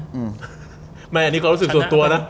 อืมแม่อันนี้ความรู้สึกส่วนตัวนะ